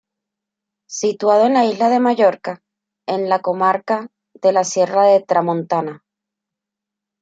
Situado en la isla de Mallorca, en la comarca de la Sierra de Tramontana.